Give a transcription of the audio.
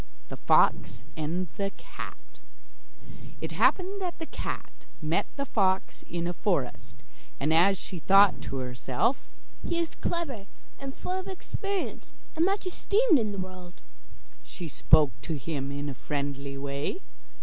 THE FOX AND THE CAT It happened that the cat met the fox in a forest, and as she thought to herself: 'He is clever and full of experience, and much esteemed in the world,' she spoke to him in a friendly way.